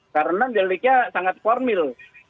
karena deliknya sangat formil